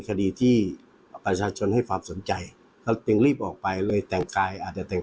คดีที่ประชาชนให้ความสนใจเขาจึงรีบออกไปเลยแต่งกายอาจจะแต่ง